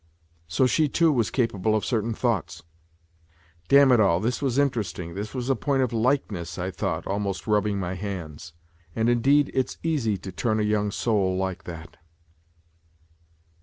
So she, too, was capable of certain thoughts ?" Damn it all, this was interesting, this was a point of likeness !" I thought, almost rubbing my hands. And indeed it's easy to turn a young soul like that